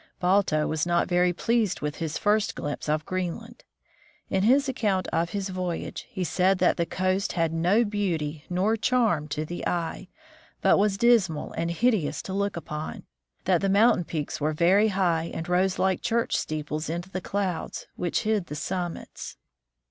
Balto was not very well pleased with his first glimpse of Green land. In his account of his voyage, he said that the coast had no beauty nor charm to the eye, but was dismal and hideous to look upon ; that the mountain peaks were very high and rose like church steeples into the clouds, which hid the summits.